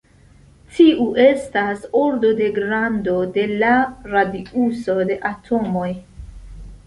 Tiu estas ordo de grando de la radiuso de atomoj.